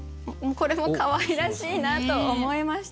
これもかわいらしいなと思いました。